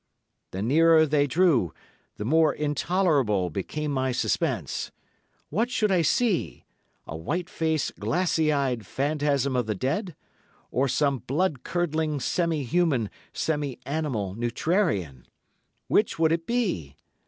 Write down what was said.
The nearer they drew, the more intolerable became my suspense. What should I see? A white faced, glassy eyed phantasm of the dead, or some blood curdling, semi human, semi animal neutrarian. Which would it be?